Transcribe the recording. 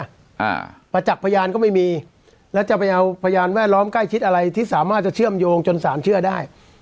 อ่าประจักษ์พยานก็ไม่มีแล้วจะไปเอาพยานแวดล้อมใกล้ชิดอะไรที่สามารถจะเชื่อมโยงจนสารเชื่อได้